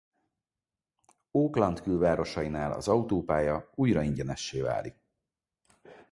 Auckland külvárosainál az autópálya újra ingyenessé válik.